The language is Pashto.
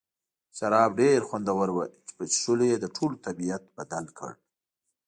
شراب ډېر خوندور وو چې په څښلو یې د ټولو طبیعت بدل کړ.